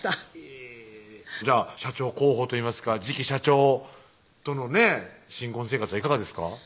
えぇじゃあ社長候補といいますか次期社長とのね新婚生活はいかがですか？